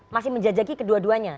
masih menjajaki ke dua duanya